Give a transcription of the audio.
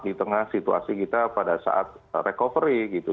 di tengah situasi kita pada saat recovery gitu